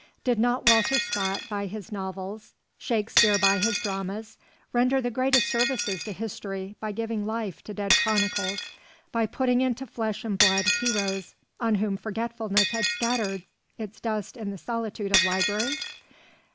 Did not Walter Scott, by his novels, Shakespeare by his dramas, render the greatest services to history by giving life to dead chronicles, by putting into flesh and blood heroes on whom forgetfulness had scattered its dust in the solitude of libraries?